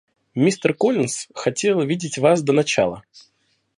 Мистер Коллинс хотел видеть вас до начала.